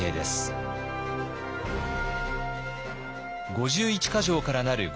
５１か条からなる御